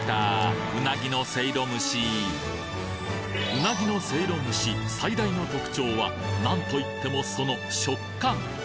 うなぎのせいろ蒸し最大の特徴はなんといってもその食感